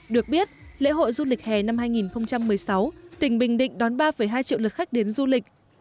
được biết lễ hội du lịch hè năm hai nghìn một mươi sáu tỉnh bình định đón ba hai triệu lượt khách đến du lịch